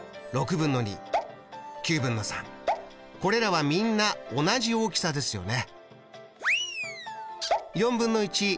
これらはみんな同じ大きさですよね。